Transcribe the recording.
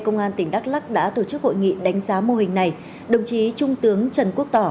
công an tỉnh đắk lắc đã tổ chức hội nghị đánh giá mô hình này đồng chí trung tướng trần quốc tỏ